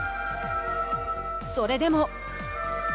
それでも。